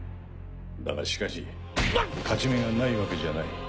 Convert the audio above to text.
だがしかし勝ち目がないわけじゃない。